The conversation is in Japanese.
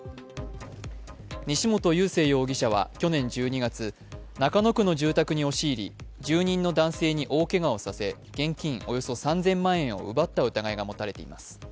西本佑聖容疑者は去年１２月、中野区の住宅に押し入り住人の男性に大けがをさせ現金およそ３０００万円を奪った疑いがもたれています。